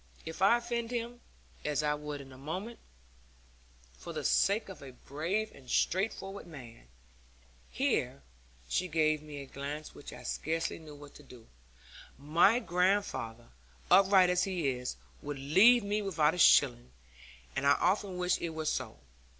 If I offend him, as I would in a moment, for the sake of a brave and straightforward man' here she gave me a glance which I scarcely knew what to do with 'my grandfather, upright as he is, would leave me without a shilling. And I often wish it were so.